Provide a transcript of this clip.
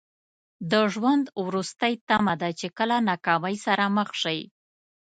د ژوند وروستۍ تمنا ده چې کله ناکامۍ سره مخ شئ.